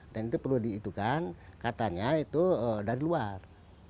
dan itu perlu diitukan katanya itu dari luar